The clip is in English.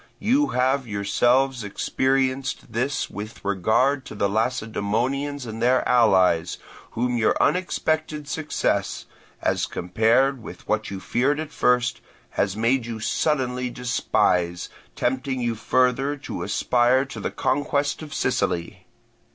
You have yourselves experienced this with regard to the Lacedaemonians and their allies, whom your unexpected success, as compared with what you feared at first, has made you suddenly despise, tempting you further to aspire to the conquest of Sicily.